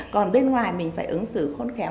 còn bên ngoài mình phải ứng xử khôn khéo